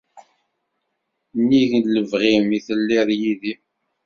nnig n lebɣi-m i telliḍ yid-i.